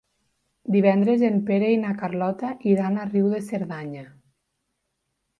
Divendres en Pere i na Carlota iran a Riu de Cerdanya.